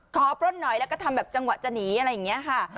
ปล้นหน่อยแล้วก็ทำแบบจังหวะจะหนีอะไรอย่างนี้ค่ะ